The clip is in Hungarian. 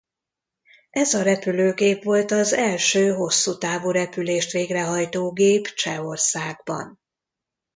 Ez a repülőgép volt az első hosszú távú repülést végrehajtó gép Csehországban.